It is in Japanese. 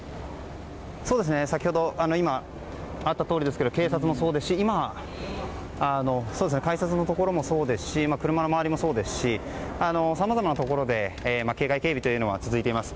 今あったとおりですけども改札のところもそうですし車の周りもそうですしさまざまなところで警戒警備というのが続いています。